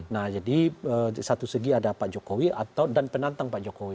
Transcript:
nah jadi satu segi ada pak jokowi atau dan penantang pak jokowi